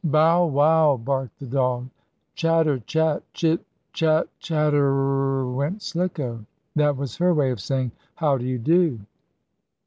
"Bow wow!" barked the dog. "Chatter chat! Chit chat chatter r r r r r r!" went Slicko. That was her way of saying: "How do you do?"